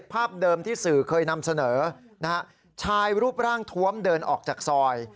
ภาพเดิมที่สื่อเคยนำเสนอนะฮะชายรูปร่างทวมเดินออกจากซอย